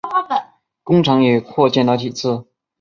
工厂也扩建了几次。